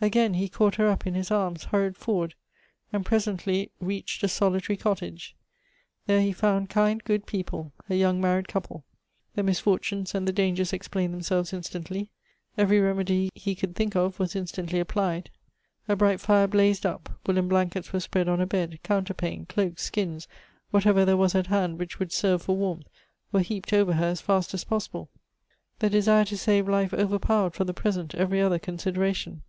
Again he caught her up in his arms, hurried forward, and presently reached a solitary cottage. There he found kind, good people — a young mamed couple; the misfortunes and the dangers explained themselves instantly ; every rem edy he could think of was instantly applied; a bright fire blazed up : woollen blankets were spread on a bed, coun terpane, cloaks, skins, whatever there was at hand which would serve for warmth, were heaped over her as fast as possible. The desire to save life overpowered, for the present, every other consideration.